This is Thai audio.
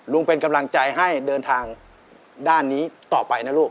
เป็นกำลังใจให้เดินทางด้านนี้ต่อไปนะลูก